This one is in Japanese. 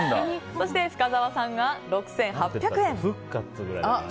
そして、深澤さんが６８００円。